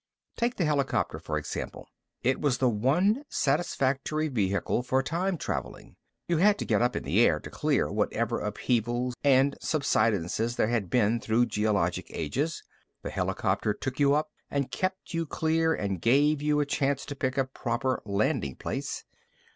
Take the helicopter, for example. It was the one satisfactory vehicle for time traveling. You had to get up in the air to clear whatever upheavals and subsidences there had been through geologic ages. The helicopter took you up and kept you clear and gave you a chance to pick a proper landing place.